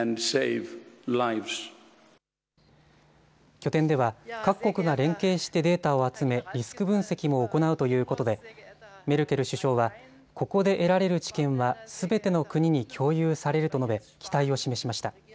拠点では各国が連携してデータを集め、リスク分析も行うということでメルケル首相はここで得られる知見はすべての国に共有されると述べ期待を示しました。